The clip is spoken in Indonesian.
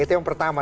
itu yang pertama